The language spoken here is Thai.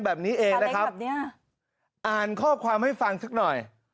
แบบนี้เองนะครับอ่านข้อความให้ฟังสักหน่อย